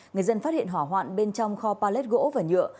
người dân phát hiện hỏa hoạn bên trong kho pallet gỗ và nhựa